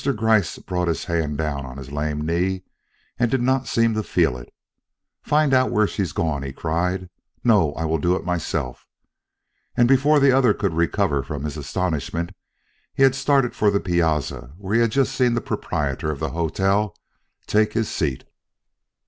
Mr. Gryce brought his hand down on his lame knee and did not seem to feel it. "Find out where she's gone!" he cried. "No, I will do it myself." And before the other could recover from his astonishment, he had started for the piazza where he had just seen the proprietor of the hotel take his seat.